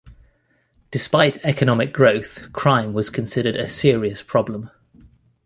Despite economic growth, crime was considered a serious problem.